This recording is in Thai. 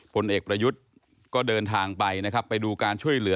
ผลเอกประยุทธ์ก็เดินทางไปนะครับไปดูการช่วยเหลือ